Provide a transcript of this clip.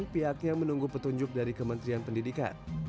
pihaknya menunggu petunjuk dari kementerian pendidikan